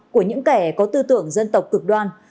của những kẻ có tư tưởng dân tộc cực đoan